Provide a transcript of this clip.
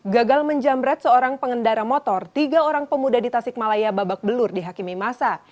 gagal menjamret seorang pengendara motor tiga orang pemuda di tasikmalaya babak belur di hakimi masa